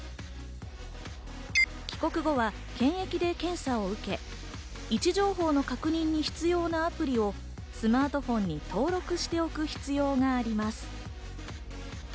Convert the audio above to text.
帰国後は検疫で検査を受け、位置情報の確認に必要なアプリをスマートフォンに登録しておく必要があります。